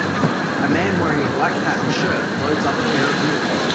A man wearing a black hat and shirt loads up a pair of mules